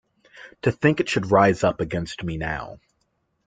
To think it should rise up against me now!